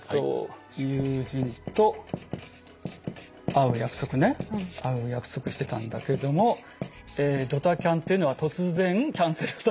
友人と会う約束ね会う約束してたんだけれどもドタキャンっていうのは突然キャンセルされたってことですね。